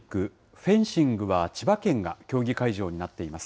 フェンシングは千葉県が競技会場になっています。